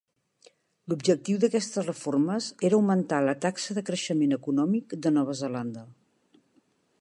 L'objectiu d'aquestes reformes era augmentar la taxa de creixement econòmic de Nova Zelanda.